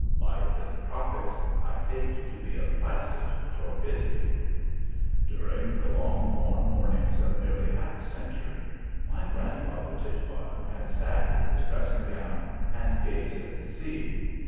Life in the tropics I take to be a placid torpidity. During the long, warm mornings of nearly half a century, my grandfather Titbottom had sat in his dressing gown and gazed at the sea.